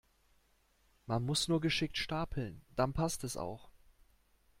Man muss nur geschickt Stapeln, dann passt es auch.